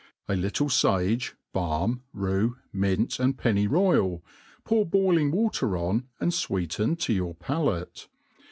A little fage, balm, rue, mint* and pcnny royal, pour boiling water on, and fweeten to your palate.